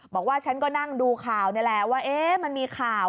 บอกว่าฉันก็นั่งดูข่าวนี่แหละว่ามันมีข่าว